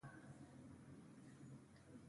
د نبات ریښې څه دنده لري